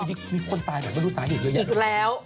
มีคนตายแบบไม่รู้สาเหตุเยอะอีกแล้ว